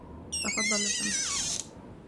تفضّل لو سمحت.